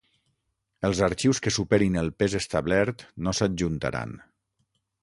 Els arxius que superin el pes establert no s'adjuntaran.